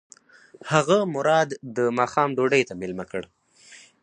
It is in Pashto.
هغه مراد د ماښام ډوډۍ ته مېلمه کړ.